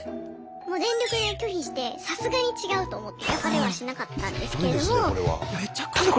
もう全力で拒否してさすがに違うと思って焼かれはしなかったんですけれども。